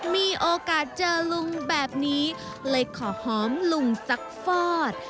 มีโอกาสเจอลุงแบบนี้เลยขอหอมลุงสักฟอด